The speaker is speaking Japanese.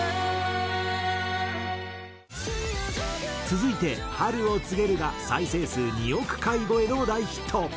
続いて『春を告げる』が再生数２億回超えの大ヒット。